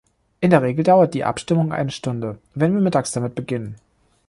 In der Regel dauert die Abstimmung eine Stunde, wenn wir mittags damit beginnen.